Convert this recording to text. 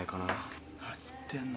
何言ってんの。